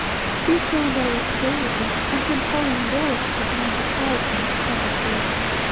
Do so, and I will stay with thee, and send Holly and Oros to command the Tribes in this petty fray."